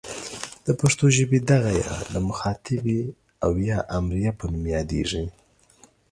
د پښتو ژبې دغه ئ د مخاطبې او یا امریه په نوم یادیږي.